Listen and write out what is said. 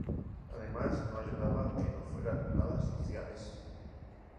Además no ayudaba que no fueran nada sociales.